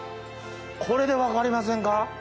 これで分かりませんか？